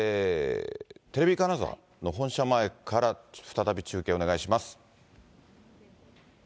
テレビ金沢の本社前から、再び中継をお願いします。